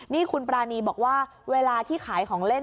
นี่คุณปรานีบอกว่าเวลาที่ขายของเล่น